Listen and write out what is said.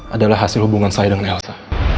adalah hasil hubungan saya dengan elsa